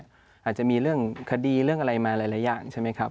อาจจะมีเรื่องคดีเรื่องอะไรมาหลายอย่างใช่ไหมครับ